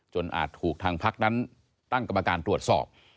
อาจถูกทางพักนั้นตั้งกรรมการตรวจสอบ